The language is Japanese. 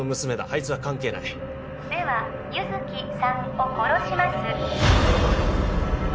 あいつは関係ないでは優月さんを殺します